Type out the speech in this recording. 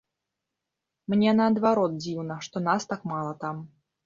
Мне, наадварот, дзіўна, што нас так мала там.